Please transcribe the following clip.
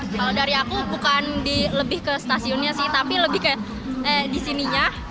kalau dari aku bukan lebih ke stasiunnya sih tapi lebih kayak di sininya